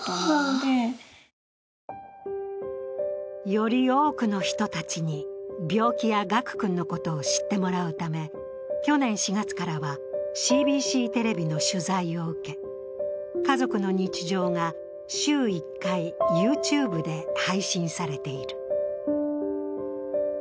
より多くの人たちに病気や賀久君のことを知ってもらうため去年４月からはＣＢＣテレビの取材を受け、家族の日常が週１回、ＹｏｕＴｕｂｅで配信されている。